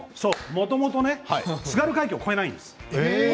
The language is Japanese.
もともと津軽海峡を越えないんです。